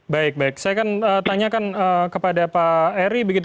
baik baik saya akan tanyakan kepada pak eri